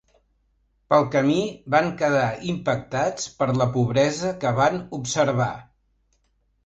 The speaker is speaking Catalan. Pel camí van quedar impactats per la pobresa que van observar.